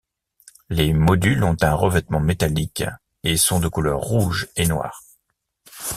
Les modules ont un revêtement métallique et sont de couleurs rouge et noir.